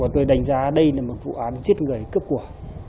tôi đánh giá đây là một vụ án giết người cấp của